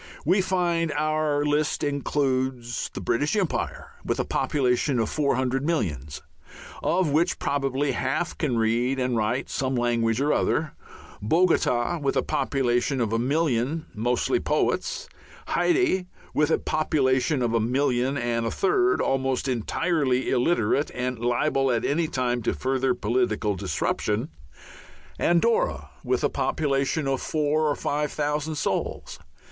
We find our list includes the British Empire, with a population of four hundred millions, of which probably half can read and write some language or other; Bogota with a population of a million, mostly poets; Hayti with a population of a million and a third, almost entirely illiterate and liable at any time to further political disruption; Andorra with a population of four or five thousand souls.